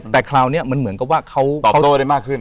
แต่คราวนี้มันเหมือนกับว่าเขาตอบโต้ได้มากขึ้น